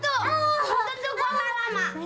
oke kali ini lo yang menang